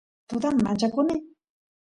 tutan manchakuni